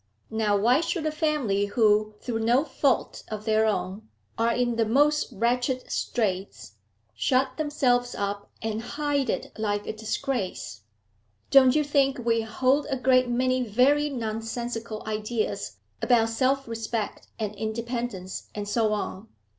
Now why should a family who, through no fault of their own, are in the most wretched straits, shut themselves up and hide it like a disgrace? Don't you think we hold a great many very nonsensical ideas about self respect and independence and so on?